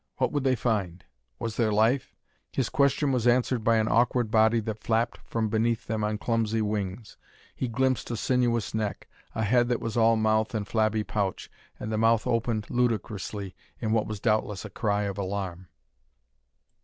What would they find? Was there life? His question was answered by an awkward body that flapped from beneath them on clumsy wings. He glimpsed a sinuous neck, a head that was all mouth and flabby pouch, and the mouth opened ludicrously in what was doubtless a cry of alarm.